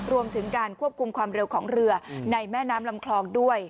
รวมถึงการควบคุมความเร็วของเรือในแม่น้ำลำคลองด้วย